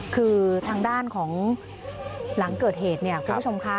คือทางด้านของหลังเกิดเหตุเนี่ยคุณผู้ชมค่ะ